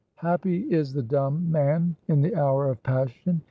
Happy is the dumb man in the hour of passion.